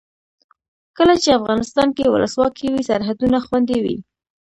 کله چې افغانستان کې ولسواکي وي سرحدونه خوندي وي.